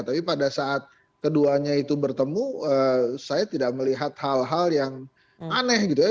tapi pada saat keduanya itu bertemu saya tidak melihat hal hal yang aneh gitu ya